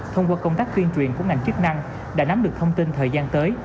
thông qua công tác tuyên truyền của ngành chức năng đã nắm được thông tin thời gian tới